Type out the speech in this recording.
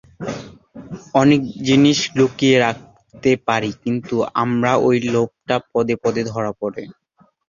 অনেক জিনিস লুকিয়ে রাখতে পারি, কিন্তু আমার ঐ লোভটা পদে পদে ধরা পড়ে।